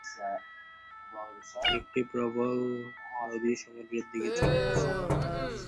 একটি প্রবল নদী সমুদ্রের দিকে চলিতেছে।